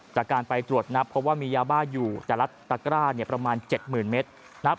จากการไปตรวจนับเพราะว่ามียาบ้าอยู่แต่ละตะกร้าประมาณ๗๐๐เมตร